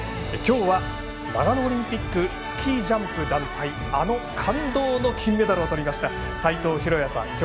きょうは、長野オリンピックスキー・ジャンプ団体あの感動の金メダルをとりました齋藤浩哉さん。